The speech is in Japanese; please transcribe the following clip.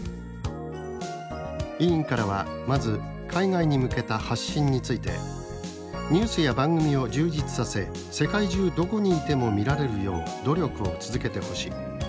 委員からはまず海外に向けた発信について「ニュースや番組を充実させ世界中どこにいても見られるよう努力を続けてほしい。